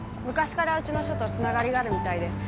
昔からうちの署とつながりがあるみたいで。